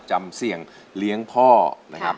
จำเสี่ยงเลี้ยงพ่อนะครับ